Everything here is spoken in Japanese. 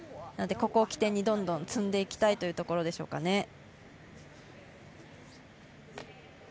ここを起点にどんどん積んでいきたいというところでしょうかね。